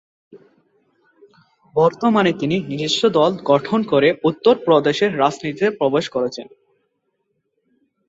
বর্তমানে তিনি নিজস্ব দল গঠন করে উত্তরপ্রদেশের রাজনীতিতে প্রবেশ করেছেন।